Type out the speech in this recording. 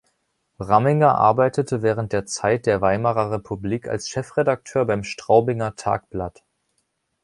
Ramminger arbeitete während der Zeit der Weimarer Republik als Chefredakteur beim "Straubinger Tagblatt".